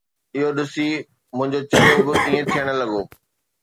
اهو ڏسي منهنجو چريو به ائين ٿيڻ لڳو.